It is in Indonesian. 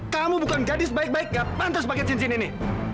kamu bukan gadis baik baik gak pantas pakai cincin ini